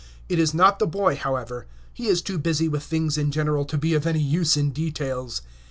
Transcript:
It is not the boy, however; he is too busy with things in general to be of any use in details.